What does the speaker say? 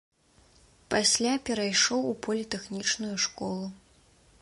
Пасля перайшоў у політэхнічную школу.